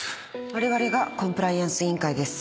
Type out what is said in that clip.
われわれがコンプライアンス委員会です。